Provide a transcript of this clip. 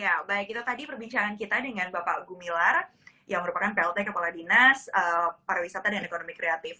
ya baik itu tadi perbincangan kita dengan bapak gumilar yang merupakan plt kepala dinas pariwisata dan ekonomi kreatif